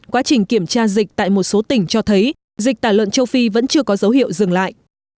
quá trình kiểm tra dịch tại một số tỉnh cho thấy dịch tả lợn châu phi vẫn chưa có dấu hiệu dừng lại